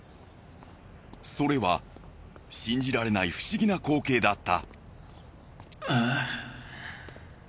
それは信じられない不思議な光景だった。